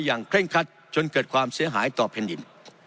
เคร่งคัดจนเกิดความเสียหายต่อแผ่นดิน